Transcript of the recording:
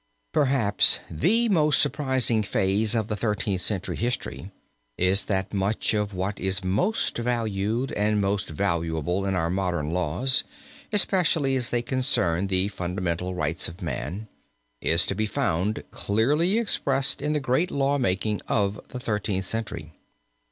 Perhaps the most surprising phase of Thirteenth Century history is that much of what is most valued and most valuable in our modern laws, especially as they concern the fundamental rights of man, is to be found clearly expressed in the great lawmaking of the Thirteenth Century.